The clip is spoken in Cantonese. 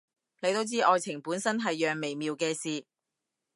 你都知，愛情本身係樣微妙嘅事